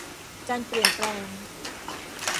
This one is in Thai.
การเปลี่ยนแปลง